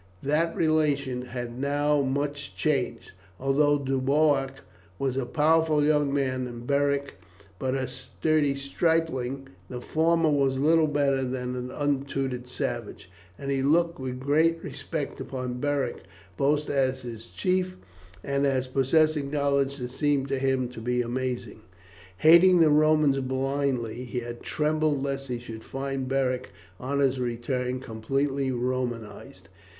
That relation had now much changed. Although Boduoc was a powerful young man and Beric but a sturdy stripling, the former was little better than an untutored savage, and he looked with great respect upon Beric both as his chief and as possessing knowledge that seemed to him to be amazing. Hating the Romans blindly he had trembled lest he should find Beric on his return completely Romanized.